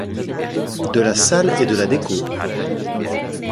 De la salle et de la déco